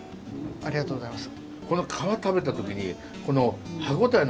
ありがとうございます。